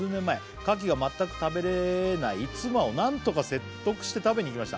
「かきが全く食べれない妻を何とか説得して食べに行きました」